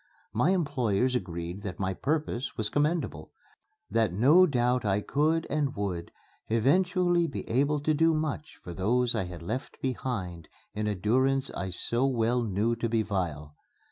My employers agreed that my purpose was commendable that no doubt I could and would eventually be able to do much for those I had left behind in a durance I so well knew to be vile.